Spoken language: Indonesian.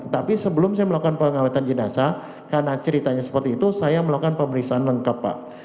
tapi sebelum saya melakukan pengawetan jenazah karena ceritanya seperti itu saya melakukan pemeriksaan lengkap pak